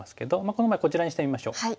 この場合こちらにしてみましょう。